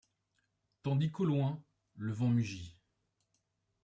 Tandis qu'au loin -le vent mugit ;